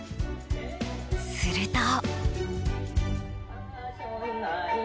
すると。